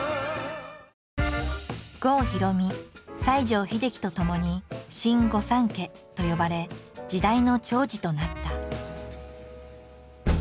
郷ひろみ西城秀樹とともに「新御三家」と呼ばれ時代の寵児となった。